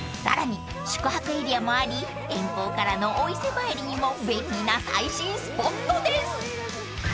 ［さらに宿泊エリアもあり遠方からのお伊勢参りにも便利な最新スポットです］